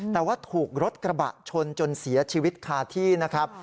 แต่ว่าถูกรถกระบะชนจนเสียชีวิตคาที่นะครับ